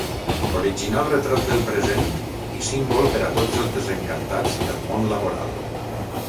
Original retrat del present i símbol per a tots els desencantats del món laboral.